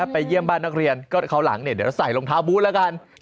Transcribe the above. ไปเยี่ยมบ้านนักเรียนก็คราวหลังเนี่ยเดี๋ยวใส่รองเท้าบูธแล้วกัน